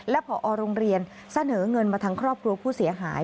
เหงื่องเงินมาทั้งครอบครัวผู้เสียหาย